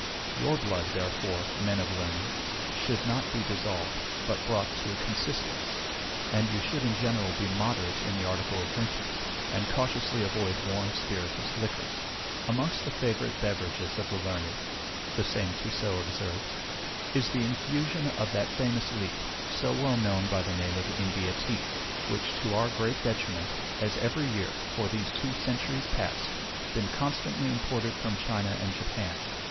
Your blood, therefore, men of learning, should not be dissolved, but brought to a consistence; and you should in general be moderate in the article of drinking, and cautiously avoid warm spirituous liquors. "Amongst the favorite beverages of the learned," the same Tissot observes, "is the infusion of that famous leaf, so well known by the name of India tea, which, to our great detriment, has every year, for these two centuries past, been constantly imported from China and Japan.